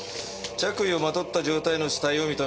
着衣をまとった状態の死体を認める。